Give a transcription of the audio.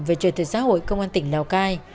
về trời thực xã hội công an tỉnh lào cai